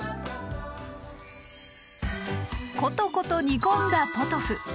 コトコト煮込んだポトフ。